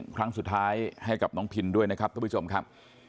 ครั้งสุดท้ายให้กับน้องพินด้วยนะครับทุกผู้ชมครับ